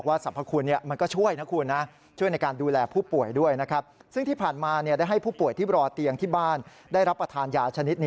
อันนี้เขาเอามาปรุงเป็นยากัน